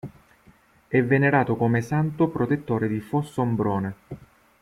È venerato come santo protettore di Fossombrone.